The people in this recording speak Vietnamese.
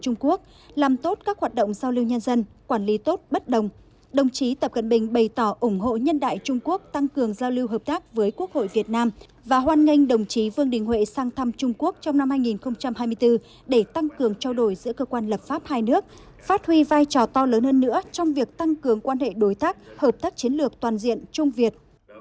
chủ tịch quốc hội vân đình huệ cũng đề nghị hai bên tăng cường phối hợp tại các diễn đàn hội nghị quốc tế và khu vực ủng hộ nhân đại trung quốc tăng cường giao lưu hợp tác với quốc hội việt nam và hoan nghênh đồng chí vân đình huệ sang thăm trung quốc trong năm hai nghìn hai mươi bốn để tăng cường trao đổi giữa cơ quan lập pháp hai nước phát huy vai trò to lớn hơn nữa trong việc tăng cường quan hệ đối tác hợp tác chiến lược toàn diện chung việt